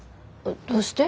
どうして？